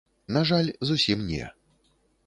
На жаль, зусім не.